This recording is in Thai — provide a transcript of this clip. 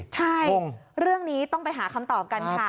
ใช่เรื่องนี้ต้องไปหาคำตอบกันค่ะ